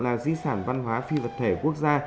là di sản văn hóa phi vật thể quốc gia